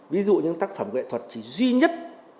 ví dụ những tác phẩm nghệ thuật duy nhất